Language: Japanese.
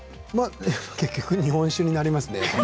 結局、日本酒になりますね。